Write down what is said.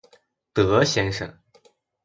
德先生